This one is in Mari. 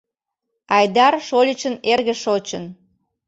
Айдар шольычын эрге шочын!